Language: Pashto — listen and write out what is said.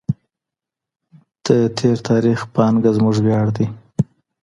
د تېر تاریخ پانګه زموږ ویاړ دی.